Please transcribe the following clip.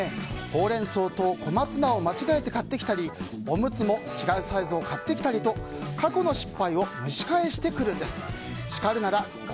ホウレンソウとコマツナを間違えて買ってきたりおむつも違うサイズを買ってきたりと過去の失敗を蒸し返してくるんです。